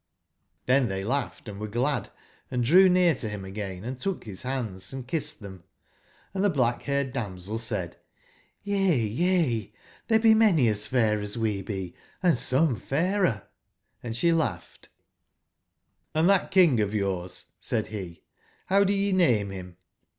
tlben tbey laugbed and were glad, and drew near to bim again and took bis bands & kissed tbem ; and tbe black/baired damsel said: '* Y^^^ yea, tbere be many as fair as we be, and some fairer," and sbe laugbed^'' Hnd tbat King of yours," said be, *' bow do ye name bim